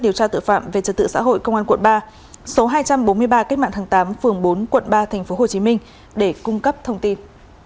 điều tra tội phạm về trật tự xã hội công an quận ba số hai trăm bốn mươi ba kết mạng tháng tám phường bốn quận ba tp hcm để cung cấp thông tin